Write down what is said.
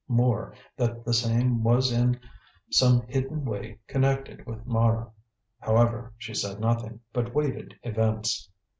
More, that the same was in some hidden way connected with Mara. However, she said nothing, but waited events.